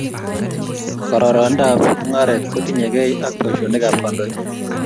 kororonindab mung'aret ko tinyei gei ak boishonikab kandoik.